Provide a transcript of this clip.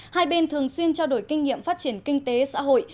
hai bên thường xuyên trao đổi kinh nghiệm phát triển kinh tế xã hội